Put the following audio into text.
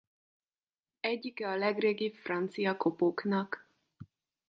Egyike a legrégibb francia kopóknak.